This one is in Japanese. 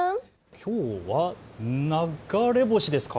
きょうは流れ星ですか？